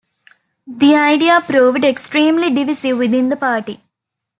The idea proved extremely divisive within the party.